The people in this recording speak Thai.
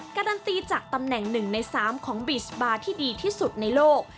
การันตีจากตำแหน่ง๑ใน๓ของบีสบาร์ที่ดีที่สุดในโลก